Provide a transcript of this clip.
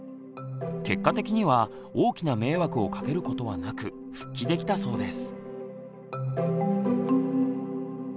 結果的には大きな迷惑をかけることはなく復帰できたそうです。